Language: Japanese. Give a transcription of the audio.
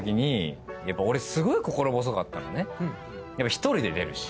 １人で出るし。